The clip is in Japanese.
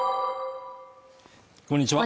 こんにちは